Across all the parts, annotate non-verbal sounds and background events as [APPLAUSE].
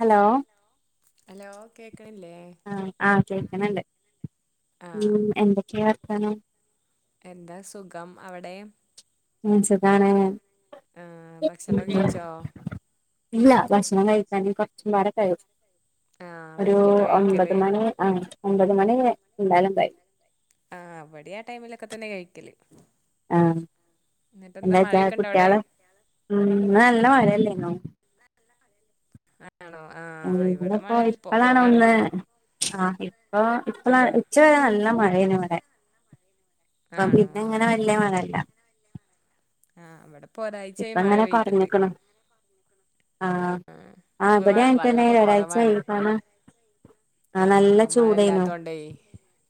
Hello hello കേക്കണില്ലേ കേക്കണുണ്ട് ആഹ് ഉം എന്തൊക്കെയാ വർത്താനം എന്താ സുഖം അവിടേ ഉം സുഖാണ് ആ ഭക്ഷണൊക്കെ കഴ്ച്ചോ ഇല്ല ഭക്ഷണം കഴിക്കാന് കൊറച്ചും പാടെ കഴിയും ആഹ് ഒരു വൈകീട്ടാ ഒൻപത് കഴിക്കല് മണി ആ ഒൻപത് മണി എന്താലും കഴിം ആ വ്ടി ആ ടൈമിലൊക്കെതന്നെ കഴിക്കല് ആ എന്നിട്ടെന്താ എന്നാവച്ചാ മഴയൊക്കെ ഉണ്ടോ അവിടെ കുട്ട്യാള് ഉം ന്ന് നല്ലമഴയല്ലേ [UNINTELLIGIBLE] ആണോ ആഹ് ഇവിടെ മഴ ഇവിടെയുള്ളപ്പോ ഇപ്പോ കുറവാണ് പ്പളാണൊന്ന് ആ ഇപ്പൊ ഇപ്പള് ആഹ് ഉച്ച വരെ നല്ല മഴയേനിവടെ ഇപ്പ ആണോ പിന്നങ്ങനെ ആഹ് വലൃ മഴയില്ല- ആഹ് ഇവ്ട്പ്പോ ഇപ്പ ഒരാഴ്ചയായി മഴ ഇങ്ങനെ പെയ്തിട്ട്. കൊറഞ്ഞിക്കണു ആഹ് ആ ഇപ്പൊ വിടെ വ- ആയിട്ടനെ വെള്ളമൊക്കെ കുറവാണ് ഒരാഴ്ചയവിടെകാണാം- ആഹ് നല്ല ചൂടയിനു-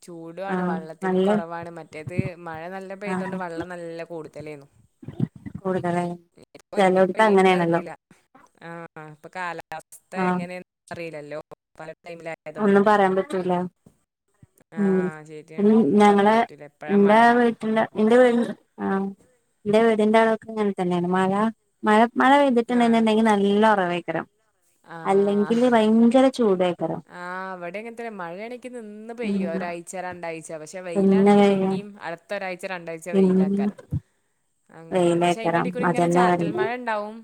ചൂടുവാണ്, വെള്ളത്തിനും കൊറവാണ്. മറ്റേതു മഴ നല്ലപെയ്തോണ്ട് വെള്ളം നല്ലകൂടുതലാണു- കൂടുതലായി, ചെലേടത്തങ്ങനെയാണല്ലോ? ആഹ് ഇപ്പ കാലാവസ്ഥയെങ്ങനെയെന്നറിയില്ലല്ലോ പല- ടൈമിലായതുകൊണ്ടേ ഒന്നുംപറയാൻ പറ്റൂല- ആ ഉം ശരിയാണ് ഇന്ന് ഒന്നും പറയാൻ പറ്റൂല എപ്പോഴാ ഞങ്ങളെഎന്റെ മഴ വീട്ടില് [UNINTELLIGIBLE] ആഹ് എന്റെ വീടിന്റെ അവിടൊക്കെയങ്ങനെ തന്നെയാണ്. മഴ, മഴ- മഴ ആ പെയ്തിട്ടുണ്ടെന്നുണ്ടെങ്കിൽ നല്ലയുറവയായി കാണും ആ അല്ലെങ്കിൽ ഭയങ്കര ചൂടായി- ഇവിടെയൊക്കെതന്നെ മഴയാണെങ്കിനിന്നു പെയ്യാ. ഉം ഒരാഴ്ചരണ്ടാഴ്ച്ച പക്ഷേ പിന്നെ വെയിലാണെങ്കി പിന്നെയും അര ഒരാഴ്ചരണ്ടാഴ്ച വെയിലാക്കാൻ- അങ്ങനെയാണ്. പക്ഷേ വെയിലേക്കരം അയിന്റെടെയിൽക്കൂടിയിങ്ങനെ അതന്നെ ചാറ്റൽ പറയും മഴയുണ്ടാവും.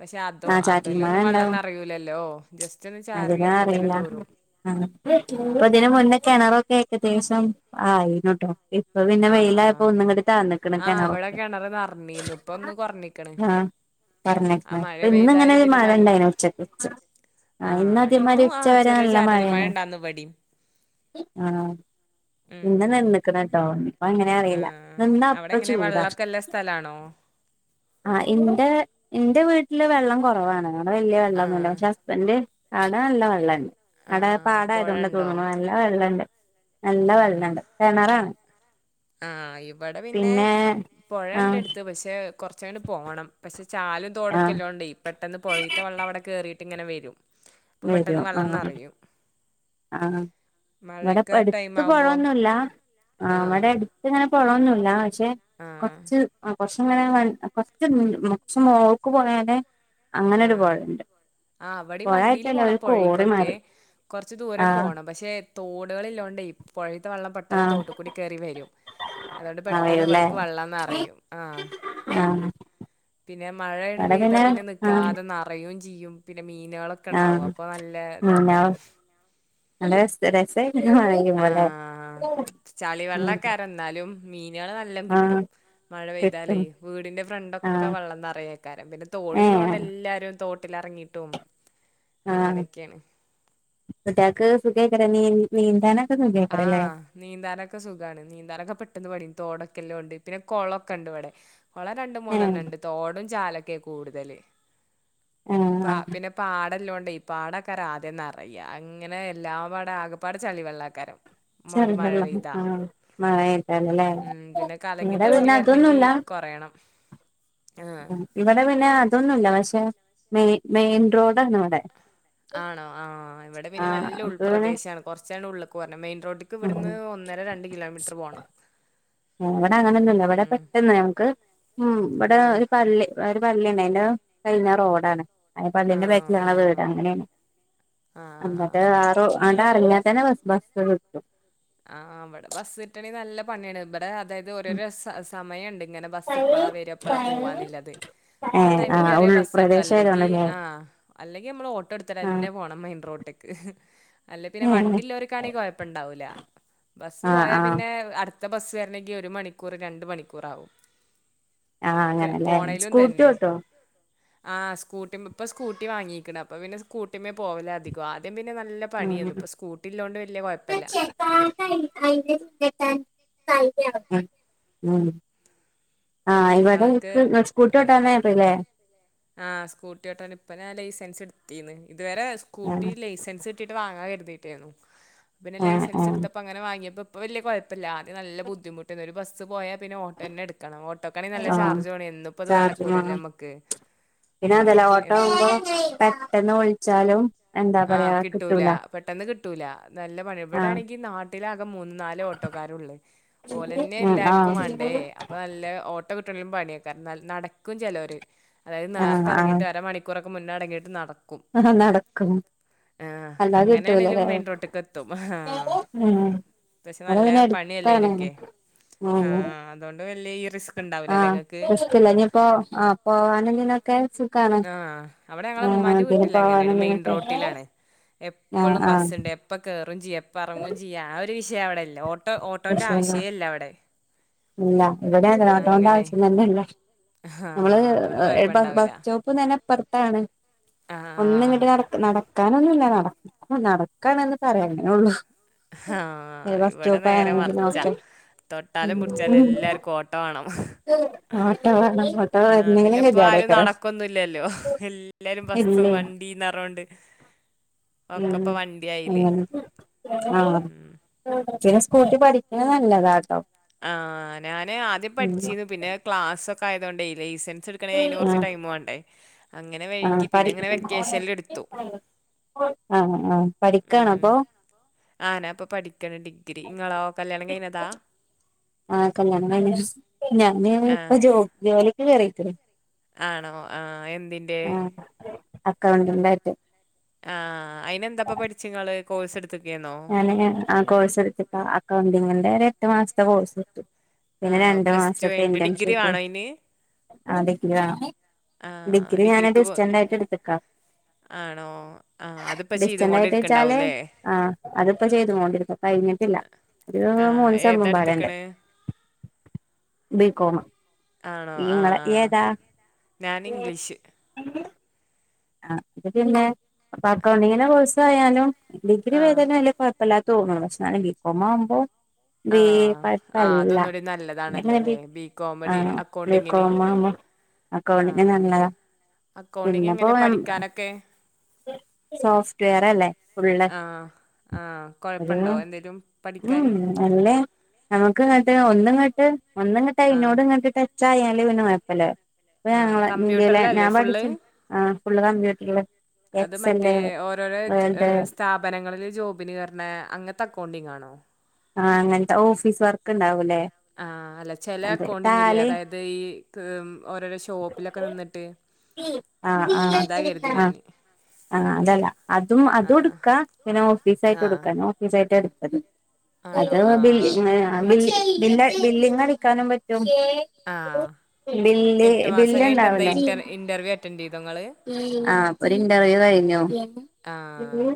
പഷേ അതോ ആഹ് അത് ചാറ്റൽ ലൊ മഴ ന്നും ഉണ്ടാവും വള്ളംനറയൂലല്ലോ. ജസ്റ്റ് ഒന്ന് ചാറിയാ നറയില്ല. പ്പ ഇതിന്ന് മുന്നേ കെണറൊക്കെ ഏകദേശം ആയിന്നുട്ടോ. ഇപ്പൊ പിന്നെ വെയിലായപ്പോ ഒന്ന് ങ്ങട്ട് താന്ന്ക്ക്ണ് കെണറ്. കെണറ് നർഞ്ഞീന്ന് പ്പൊന്ന് കൊർ ഞ്ഞിക്ക്ണ്. കൊർഞ്ഞ്ക്ക്ണ്. ഇപ്പ ഇന്ന് ങ്ങനെരു നന് മഴണ്ടായ്നു ഉച്ചക്ക് ഉച്ച ഇന്ന് ആഹ് അതേമാതിരി ഇന്നും ആ ഉച്ച വരെ ചെറിയ നല്ല ചാറ്റൽ മഴ മഴയാണ് ഇണ്ടായിന്നു വടിം. ആഹ് ഇന്ന് ഉം നിന്ന്ക്ക്ണോട്ടൊ പ്പൊങ്ങനെ അറീല്ല. ആഹ് അവിടെ നിന്നാപ്പം എങ്ങനെ ചൂടാ. വെള്ളൊക്കെല്ല സ്ഥലാണോ ആഹ് ഇന്റെ ഇന്റെ വീട്ട്ല് വെള്ളം കൊറവാണ്. ബടെ വല്യ വള്ളന്നുല്ല. ആഹ് പഷേ ഹസ്ബൻഡ് അവ്ടെ നല്ല വെള്ളാണ്ട്. അടാ ആഹ് പാടയതോണ്ടാ പൊഴണ്ടോ തോന്ന്ണു നല്ല വെള്ളണ്ട്. നല്ല ആഹ് വെള്ളണ്ട് കെണറാണ്. ആഹ് ഇവടെ പിന്നെ ആഹ് പൊഴണ്ടെട്ത്ത് പഷേ കൊർച്ചങ്ങണ്ട് പോണം. പഷേ ചാലും, ആഹ് തോടൊക്കെള്ളോണ്ടേ പെട്ടെന്ന് പൊഴേത്തെ വെ ള്ള അവിടെ കേറിയിട്ടിങ്ങനെ വരും. അപ്പ പെട്ടെന്നു വരും ആഹ് വള്ളംനറയും. ആഹ് ഇവടെ ടൈം പ്പട്ത്ത് ആവുമ്പോ പൊഴൊന്നുല്ല. ആഹ് ഇവടെ അട്ത്ത് ങ്ങനെ പൊഴൊന്നുല്ല പഷേ ആഹ് കൊർച്ച് കൊർച്ച്ങ്ങനെ [UNINTELLIGIBLE] മോൾക്ക് പോയാല് അങ്ങനൊരു പൊയണ്ട്. പൊഴായ് ല് പോണം പൊഴേക്കൊക്കെ കൊർച്ചു ദൂരേ ആഹ് പോണം. പഷേ തോട്കള്ല്ലോണ്ടേ പൊഴേത്തെ വ ള്ളം പെട്ടെന്ന് ആഹ് തോട്ട് കൂടി കേറിവരും. അതോണ്ട് ആഹ് പെട്ടെന്ന് വരുല്ലേ വിട്ക്ക് വെള്ളം നറയും. ആഹ്. ആഹ് പിന്നെ, മഴയാണ്ട് ഇവിടെ പെയ്താ പിന്നെ ആഹ് നിക്കാതെ നറയും ചെയ്യും. പിന്നെ മീനുകളൊക്കെണ്ടാവും. ആഹ് അപ്പൊ നല്ല പിന്നെ താക്കാരം. [UNINTELLIGIBLE] കയ്യും ഇങ്ങള് ല്ലെ ചളിവെള്ളക്കേരം ന്നാലും മീനുകള് നല്ലോം ആഹ് കിട്ടും. മഴ പെയ്താലേ കിട്ടും വീടിന്റെ ഫ്രണ്ടൊക്ക ആഹ് വള്ളംനെറയേകാരം പിന്നെ ഏഹ് തോടില്ലോണ്ട് എല്ലാരും തോ ട്ടിലിറങ്ങിട്ടും ആഹ് കുട്ട്യോക്ക് സുഖായ്കാര നീ നീന്താന് ആഹ് നീന്താനൊക്ക സുഖാണ്. നീന്താനൊക്ക പെട്ടെന്ന് പഠിയും. തോടൊക്കെ ഇല്ലോണ്ട്. പിന്നെ കൊളൊക്കണ്ട് വ്ടെ. കൊളം രണ്ട് ഏഹ് മൂന്നെണ്ണണ്ട് തോടും ചാലൊക്കെ കൂടുതല് പ ആഹ് പിന്നെ പാടല്ലോ ണ്ടേ ഈ പാടക്കാര ആദ്യം നറയ്യാ അങ്ങനെ എല്ലാംപാടെ ആകെപ്പാടെ ചളിവെള്ളക്കാരം. ചളി വെള്ളം ആഹ് മഴെയ്താല് ല്ലേ ഉം ഇവിടെ പിന്നെ അതൊന്നുല്ല. പറയണം. ഉം ഇവടെ പിന്നെ അതൊന്നുല്ല. പക്ഷെ മെയ് മെയിൻ റോഡാന്ന് വടെ. ആണോ ആഹ് ഇവടെ പിന്നെ നല്ല അപ്പൊ പിന്നെ ഉൾപ്രദേശാണ് കുറച്ചങ്ങട് ഉള്ള്ക്കൊരണം മെയിൻ റോഡി ക്ക് ഇവട്ന്ന് ഒന്നര രണ്ട് കിലോമീറ്റർ പോണം. ഉം വടെ അങ്ങനൊന്നുല്ല ഇവടെ ഉം പെട്ടെന്ന് ഞമുക്ക് ഉം വടെ ആഹ് ഒരു പള്ളി പ്പരു പള്ളിണ് അയ്ന്റെ കഴിഞ്ഞ റോഡാണ്. അയ് പള്ളിന്റെ ആണോ ബാക്കില് ഞങ്ങളെ വീട് ആഹ് അങ്ങനെണ് ആഹ് അന്നിട്ട് ആ റോ ആ ഇറങ്ങ്യത്തന്നെ ബസ് ബസ്സ് കിട്ടു. ആഹ് വെടെ ബസ്സിട്ടണെ നല്ല പണിയാണ് ബ ടെ അതായത് ഓരോരോ സ സമയണ്ട് ഇങ്ങനെ ബസ്സ് പ്പളാ വരാ പ്പളാ പോവാന്നിലത്. ആ ഏഹ് ടൈമി ആഹ് കേറ്യ ബസ്സിട്ടു ഉൾപ്രദേശം അല്ലെങ്കി ആയതോണ്ടല്ലേ ആഹ് അല്ലെങ്കി അമ്മള് ഓട്ടോ ആഹ് എടുത്ത്ടെന്നെ പോണം. മെയിൻ റോട്ട് അല്ലെ പിന്നെ ഏഹ് വണ്ടില്ലോർക്കാണെ കുഴപ്പണ്ടാവൂല. ബസ് ആഹ് പോയാ ആഹ് പിന്നെ അട് ത്ത ബസ് വരണങ്കി ഒരു മണിക്കൂർ രണ്ട് മണിക്കൂറാവും. ആഹ് ക്ക് അങ്ങനെല്ലേ പോണേലും സ്കൂട്ടി ഇതന്നെ ഓട്ടോ ആഹ് സ്കൂട്ടിമ്മ് പ്പ സ്കൂട്ടി വാങ്ങി ക്ണ് അപ്പൊ പിന്നെ സ്കൂട്ടിമ്മേ പോവലാധികു. ആദ്യം പിന്നെ നല്ല ഉം പണിയെന്നു ഇപ്പ സ്കൂട്ടി ഇല്ലോണ്ട് വല്ല്യ കുഴപ്പല്ല്യ. ഉം ഉം ആഹ് ഇവടെ ഇങ്ങളൊക്കെ ഇൻക്ക് ങ്ങക്ക് സ്കൂട്ടി ആഹ് ഓട്ടാനറില്ലേ. ആഹ് സ്കൂട്ടി ഓട്ടാൻ ഇപ്പ ഞാൻ ലൈസൻസ് ഇട്ത്തീന്ന്. ഇതുവരെ സ്കൂട്ടി ആഹ് ലൈസൻസിട്ടിട്ട് വാങ്ങാ കരുതീട്ടേന്നു പ്പൊ പിന്നെ ആഹ് ആഹ് ലൈസൻസ്ട്ത്തപ്പ അങ്ങനെ വാങ്ങ്യപ്പോ പ്പ വെല്യ കൊയപ്പല്ല്യ ആദ്യ നല്ല ബുദ്ധിമുട്ടെന്ന് ഒരു ബസ്സ് പോയ പിന്നെ ഓട്ടെന്നെ ട്ക്കണം ഓട്ടോക്കാണെ നല്ല ആഹ് ചാർജാണേ എന്നുപ്പത് ചാർജ് നടക്കൂല്ലല്ലോ വേണം അമ്മക്ക് പിന്നെ അതല ഓട്ടാവുമ്പോ പെട്ടെന്ന് വിൾച്ചാലും ആഹ് കിട്ടൂല പെട്ടെന്ന് കിട്ടൂല നല്ല പണ്യാ ആഹ് ബ്ടാണെങ്കി നാട്ടിലാ കെ മൂന്ന്, നാല് ഓട്ടോക്കാരൊള്ള് ഉം ഓലെന്നെല്ലാർക്കും ആഹ് വാണ്ടേ അപ്പൊ നല്ല ഓട്ടോ കി ട്ടെലും പണ്യെക്ക നാൽ നടക്കും ചെലൊര് അതായത് ആഹ് നേർത്തെർങ്ങിട്ട് അരമണിക്കൂറൊക്ക മുന്നറങ്ങിട്ട് നട ആഹാ നടക്കും. ആഹ് അല്ലാതെ അങ്ങനെണെലും കിട്ടൂലല്ലേ മെയിൻറോട്ട്ക്കെത്തും ആഹാ ഉം പക്ഷെ ഇവിടെ നല്ല പിന്നെ അടുത്താണ് പണിയല്ലയ്നൊക്കെ ആ ഉം അതോ ആഹ് ഇഷ്ടല്ല ഞ്ഞിപ്പോ ആ പോവാനും തിനൊക്കെ സുഖാണ്. അവടെ ഞങ്ങളെ ആഹ് മ്മാന്റെ അതിന് വീട്ടിലങ്ങനെണ് മെയിൻ പോവാനൊന്നിനൊക്കെ റോ ട്ടിലാണ് ആഹ് എപ്പള്ളും ആഹ് ബസ്സ്ണ്ട് എപ്പ കേറും ചെയ്യ എപ്പ എറങ്ങും ചെയ്യാ ആ ഒരു വിഷയവടെ ല്ല ഓട്ടോ ഓട്ടോന്റെ പ്രശ്നല്ല ആവശ്യേല്ല വടെ ഇല്ല ഇവട്യങ്ങൻ തന്നെ ഓട്ടോന്റെ ആവശ്യം തന്നെല്ല. ആഹ് നമ്മള് അതോണ്ട് ഏഹ് എ ബ കൊഴപ്പണ്ടാവില്ല. ബസ് സ്റ്റോപ്പും തന്നെപ്പർത്താണ്. ഒന്ന്ങ്ങട്ട് ആഹ് നട നടക്കാനൊന്നുല്ല നട ഉം നടക്കാണെന്ന് പറയാങ്ങനൊള്ളു. ഹാ ഇവടെ നേരെ ആണെങ്കിലും മർച്ചാ ഒക്കെ തൊട്ടാലും പിട് ച്ചാലും ഉം എല്ലാർക്കും ഓട്ടോ വാണം. ഓട്ടോ വേണം ഓട്ടോ ആഹ് വരുന്നെങ്കിലും പിന്നെ പ്പാരും ഗതികേടേക്കാരം നടക്കൊന്നുല്ലല്ലോ എല്ലാരും ബസ്സ് ഇല്ലേ വണ്ടീ ന്നർഞ്ഞോണ്ട് ഒക്കപ്പൊ ഉം വണ്ട്യായില്ലേ. ചെല സ്കൂട്ടി പഠിക്കണെ നല്ലതാട്ടോ. ആഹ് ഞാന് ആദ്യം ഉം പഠിച്ചിന്നു പിന്നെ ക്ലാസൊക്കെ ആയതോണ്ടേ ലൈസൻ സ്ട്ക്കണെ അയ്ന് കൊർച്ച് ടൈമ് വാണ്ടേ ആ പ എടുത്തു ആഹ് ആഹ് പഠിക്കാണോ ഉം അപ്പൊ പഠിക്കാണോ അപ്പോ ആ ഞാനിപ്പോ പഠിക്കാണ് ഡിഗ്രി ഇങ്ങളോ കല്യാണം കഴിഞ്ഞതാ ആ കല്യാണം കഴിഞ്ഞ് ഞാൻ ആ ഇപ്പൊ ജോലിക്ക് കേറിക്ക്ണ് ആണോ ആഹ് എന്തിന്റെ അക്കൗണ്ടന്റ് ആയിട്ട് ആഹ് അയിന് എന്താപ്പ പഠിച്ച് ഇങ്ങള് കോഴ്സ് എടു ഞാനെ ആ കോഴ്സ് എടുത്തിട്ട് അക്കൗണ്ടിങ്ങിന്റെ എട്ടു മാസത്തെ കോഴ്സ് എടുത്തു, പിന്നെ ആണോ രണ്ടു പ്ലസ് ടു മാസത്തെ കഴിഞ്ഞിട്ട് ഡിഗ്രി ഇന്റേൺഷിപ്പും ആണോ അതിന് ആ ഡിഗ്രിവേണം ആ ഡിഗ്രി ഞാന് ഡിഗ്രിക്ക് പോ ഡിസ്റ്റന്റ് ആയിട്ട് എടുത്ത്ക്കാ ആണോ ആഹ അത്പ്പ ചെയ്ത് ഡിസ്റ്റന്റ് ആയിട്ട് വെച്ചാല് കൊണ്ടിരിക്ക്ണ്ടാവൂല്ലേ ആഹ് അതിപ്പോ ചെയ്തും കൊണ്ടിരിക്കും കഴിഞ്ഞിട്ടില്ല ഒരു ആ ഏതാ മൂന്ന്സെമുംപാടെണ്ട് എടുത്തേക്കണ് ബികോമ് ആണോ നിങ്ങള് ഇയ്യ് ആഹ് ഏതാ ഞാൻ ഇംഗ്ലീഷ് ആ അത് പിന്നെ അപ്പൊ അക്കൗണ്ടിങ്ങനെ കോഴ്സ് ആയാലും ഡിഗ്രി വേം ആഹ് തന്നെ കൊഴപ്പല്ലാതെ തോന്ന്ണ് പക്ഷെഎന്നാല് ബികോം ആവുമ്പോ ബി ആഹ കുഴപ്പല്ല ആഅതൊന്നൂടി അങ്ങനെ ബി നല്ലതാണല്ലോല്ലേ ബികോം അക്കൗണ്ടിങ്ങിന് അക്കൗണ്ടിങ്ങിന് നല്ലത പിന്നെ പിന്നെ പഠിക്കാനൊക്കെ സോഫ്റ്റ്‌വെയറല്ലേ ഫുള്ള് ആഹ ഒരു കൊഴപ്പണ്ടോ എന്തേലും ഉം പഠിക്കാന് നല്ല നമുക്ക് ഇങ്ങട്ട് ഒന്ന് ഇങ്ങട്ട് ഒന്ന് ഇങ്ങട്ട് ആഹ് അയിനോട് ഇങ്ങട് ട്ടച്ചായാല് പിന്നെ കൊയപ്പല്ല അപ്പ ആഹ് ഞങ്ങളെ ഇന്ത്യയിലെ ഞാൻ കമ്പ്യൂട്ടറിലല്ലേ ഫുള്ള് പഠിച്ച് ഫുള്ള് കമ്പ്യൂട്ടർല് അത് മറ്റേ ഓരോരോ വേൾഡ് സ്ഥാപനങ്ങളില് ജോബിന് കേർണ അങ്ങൻത്തെ അക്കൗണ്ടിങ് ആണോ ആ അങ്ങൻത്തെ ഓഫീസ് വർക്ക് ഇണ്ടാവുല്ലേ ആഹ അല്ല ചെല അക്കൗണ്ടിങ്ങില്ലേ അതായത് ഈ ക്ക് ഓരോരോ ഷോപ്പിലൊക്കെ നിന്നിട്ട് ആഹ ആ അതാ കരുതി ആഹ ഞാന് ആഹ അതല്ല അതും ആഹ് അതുംഎടുക്കാ പിന്നെ ആഹ് ഓഫീസായ്റ്റുംഎടുക്ക ഞാൻ ഓഫീസാറ്റാ എടുത്ത് ആണോ അത് ആഹ് ബിൽന്ന് അബിൽ ബില്ല ബില്ലിങടിക്കാനും പറ്റും ആ ബില്ല് എട്ട് മാസം ബില്ല് കയ്ഞ്ഞിട്ട് എന്തായ് ഇന്റർ ഇന്റർവ്യൂ അറ്റന്റെയ്തോ ഇങ്ങള് ആഹ ഇപ്പൊരു ഇന്റർവ്യൂ കഴിഞ്ഞു ആഹ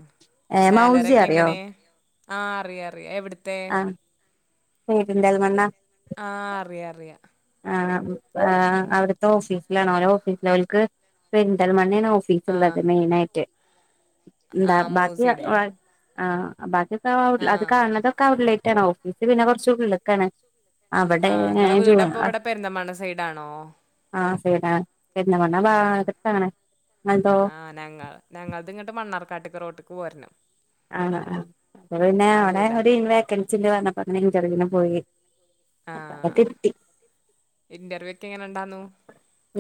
ഏഹ് സാലറി മൗസി ഒക്കെ അറിയോ എങ്ങനെ ആ അറിയ അറിയാ എവിട്ത്തെ ആഹ് പെരിന്തൽമണ്ണ ആഹ അറിയാ അറിയാം ആ അവിടുത്തെ ഓഫീസിലാണ് ഓലെ ഓഫീസൽ ഓൽക് പെരിന്തൽമണ്ണ മണ്ണേണ് ഓഫീസ്ള്ളത് ആഹ് മെയ്നായിട്ട്, എന്താ ആഹ് ബാക്കി മൂസിടെ ആഹ ബാക്കിഒകത് അത് ആഹ് കാണതൊക്കെ ഔട്ട്ലെറ്റ് ആണവും ഇത് പിന്നെ കൊറച്ച് ഉള്ള്ക്കാണ് അവടെ ആഹ് ഇങ്ങളെ ജോ വീടപ്പം ഇവിടെ പെരിന്തൽമണ്ണ സൈഡാണോ ആ സൈഡാണ് പെരിന്തൽമണ്ണ ആഹ് ബാഗത്താണ് ഇങ്ങൾതോ കട്ക് റോട്ട്ക്ക് പോരണം ആണോ അ ഇവ്ടെ പിന്നെ ആ അവിടേം സൈഡാ കൂടി വേക്കൻസിണ്ട് പറഞ്ഞപ്പോ അങ്ങനെ ഇന്റർവ്യൂന് പോയി ആ അവിടെ കിട്ടി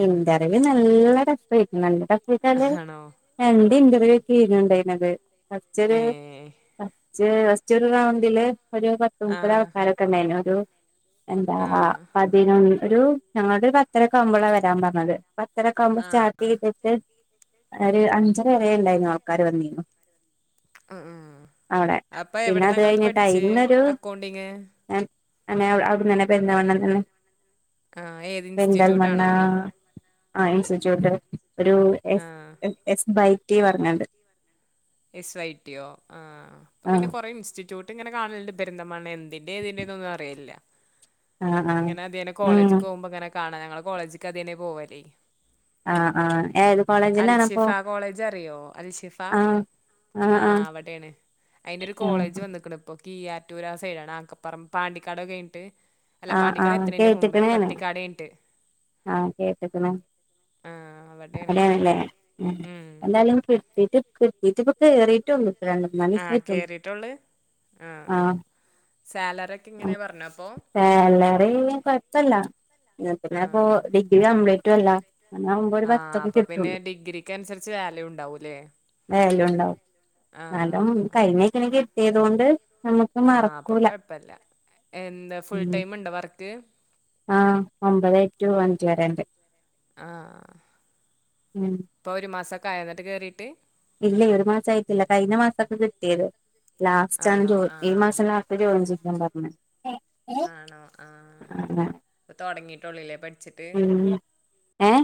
ഇന്റർവ്യൂ ന്നല്ല ട്ടഫ് ട്രീറ്റ്മെന്റടഫയ്ചാല് ആണോ രണ്ട് ഇന്റർവ്യൂ തീരണ്ടേ ന്നത് ഫസ്റ്റൊരു ഏഹ് ഫസ്റ്റ് ഫസ്റ്റോരുറൗണ്ടില് ഒരു ആഹ് പത്ത്മുപ്പതാൾക്കാരൊക്കെ ഇണ്ടായ്നു ഒരു എന്താ ആഹ് പതിനൊന്ന് ഒരു ഞങ്ങളോട് ഒരു പത്തരക്കെ ആവുമ്പളാ വരാൻ പറഞ്ഞത്. പത്തരക്കാവുമ്പം ആഹ് ആഹ് സ്റ്റാർട്ടെയ്ത്ട്ട് ഒര് അഞ്ചര വരെ ഇണ്ടായ്രുന്നു ആൾക്കാര് വന്നിന്നു ആ അപ്പ പിന്നെ അത് എവിടെന്നങ്ങളത് കഴിഞ്ഞിട്ടാ പഠിച്ച് ഇന്നൊരു എക്കൗണ്ടിങ്ങ്? അങ്ങനെ അവട്ന്നെന്നെ പെരുന്തൽമണ്ണേന്നെന്നെ. ആ ഏത് ഇൻസ്റ്റിറ്റ്യൂട്ടാണോ? ആ ഇൻസ്റ്റിറ്റ്യൂട്ട് ഒരു എസ് ആഹ് എസ് ബൈ റ്റി പറഞ്ഞാണ്ട്. എസ് വൈ ട്ടി യോ? ആ ഇപ്പം ആ പിന്നെ കൊറെ ഇൻസ്റ്റിറ്റ്യൂട്ട് ഇങ്ങനെ കാണല്ണ്ട് പെരിന്തൽമണ്ണേന്ന്. ഇനി ഇതിന്റെതൊന്നും അറിയില്ല. ആ ആ ഇങ്ങനെ അതേലെ ഉം കോളേജിക്ക് പോകുമ്പോ ഇങ്ങനെ കാണാ ഞങ്ങള് കോളേജിക്ക് അതേെലെ പോവല്. ആ ആ ഏത് കോളേജിലാണപ്പോ? അൽഷിഫ കോളേജ് ആ. ആ അവിടെയാണ് അയിന്റെ ഒരു ആ കോളേജ് വന്ന്ക്കണ് ഇപ്പൊ. കീഴാറ്റൂർ ആ സൈഡ് ആണ്, ആക്കപ്പുറം പണ്ടിക്കാടൊക്കെ കഴിന്ട്ട്. അല്ല ആ ആ പാണ്ടിക്കാട് എത്ത്ണേന്റെ മുമ്പേ, കേട്ടക്കണേണ് പട്ടിക്കാടേയ്ഞ്ഞിട്ട്. ആ കേട്ട്ക്ക്ണ് ആഹ് അവടെയാണ്. അവിടെയാണ്ലെ ഉം എന്താലും [UNINTELLIGIBLE] ഇപ്പോ കയറിയിട്ടൊള്ളൂ. ആ കേറിട്ടൊള്ള് ആ ആ ആഹ് സാലറി ഒക്കെ എങ്ങനെയ പറഞ്ഞോപ്പോ? സാലറി കൊഴപ്പല്ല ന്ന പിന്നെ ഇപ്പോ ഡിഗ്രി കംപ്ലീറ്റും അല്ല. അങ്ങനാവുമ്പോ ഒരു ആ പത്തൊക്കെ അപ്പൊ പിന്നെ കിട്ടുള്ളൂ ഡിഗ്രിക്ക് അന്സരിച്ച് വാല്യൂണ്ടാവൂലേ. നല്ലേം [UNINTELLIGIBLE] കിട്ടിയതോണ്ട് നമുക്ക് ആ അപ്പൊ മറക്കൂല കൊഴപ്പല്ല എ ഉം ആ, ഒമ്പതെ ടു അഞ്ച് വരെണ്ട്. ആ ഉം ഇപ്പൊ ഒരു മാസൊക്കെ ആയോന്നട്ട് കേറീട്ട്? [INAUDIBLE] ലാസ്റ്റ് ആണ് ആണോ ജോയി ഈ ആഹ് മാസം ലാസ്റ്റ് ആണ് ജോയിൻ ചെയ്യാൻ പറഞ്ഞേ. ആണോ ആ, അങ്ങനെ അപ്പൊ തൊടങ്ങിട്ടുള്ളൂലേ പഠിച്ചിട്ട്. ഉം ഏ